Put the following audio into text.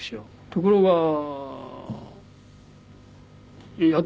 ところがやってると。